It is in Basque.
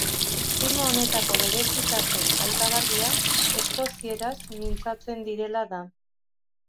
Filma honetako berezitasun aipagarria eskozieraz mintzatzen direla da.